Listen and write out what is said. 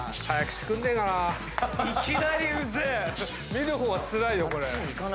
見る方はつらいよこれ。